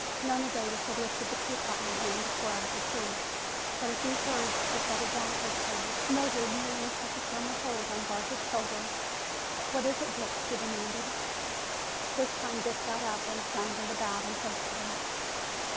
Nona Davis had lifted the teapot in her hand to pour out the tea, but at these words she set it down hastily. Mildred merely took a firmer hold on Barbara's shoulder. "What is it, Dick?" she demanded. This time Dick got up and floundered about impatiently.